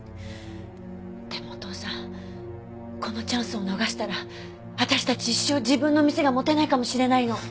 でもお父さんこのチャンスを逃したら私たち一生自分の店が持てないかもしれないの。